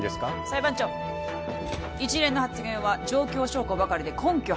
裁判長一連の発言は状況証拠ばかりで根拠